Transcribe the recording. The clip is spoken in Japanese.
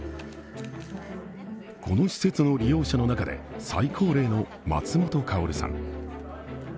この施設の利用者の中で最高齢の松本薫さん。